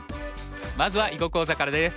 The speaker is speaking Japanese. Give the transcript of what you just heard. まずは囲碁講座からです。